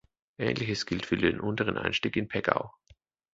Ähnliches gilt für den unteren Einstieg in Peggau.